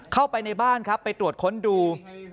เข้าไปในบ้านครับไปตรวจค้นดู